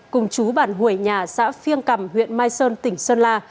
cùng chú bản hồi nhà xã phiêng cầm huyện mai sơn tỉnh sơn la